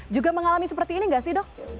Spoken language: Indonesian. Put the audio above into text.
juga mengalami seperti ini nggak sih dok